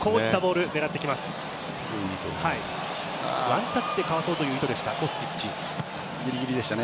ワンタッチでかわそうという意図でした。